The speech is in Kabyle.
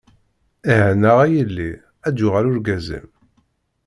Eh anaɣ a yelli, ad d-yuɣal urgaz-im.